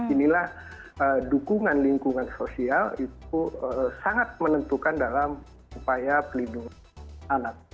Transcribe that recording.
inilah dukungan lingkungan sosial itu sangat menentukan dalam upaya pelindungan anak